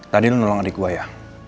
tadi nolong adik gue ya